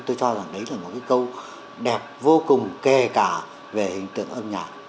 tôi cho rằng đấy là một cái câu đẹp vô cùng kề cả về hình tượng âm nhạc